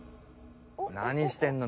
何してんの？